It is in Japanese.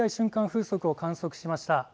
風速を観測しました。